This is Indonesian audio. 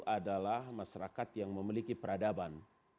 adalah masyarakat yang memiliki peradaban